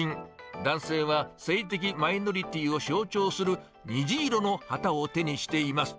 男性は性的マイノリティーを象徴する虹色の旗を手にしています。